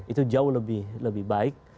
itu jauh lebih baik